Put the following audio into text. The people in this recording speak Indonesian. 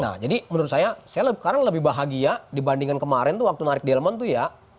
nah jadi menurut saya saya sekarang lebih bahagia dibandingkan kemarin tuh waktu narik delman tuh ya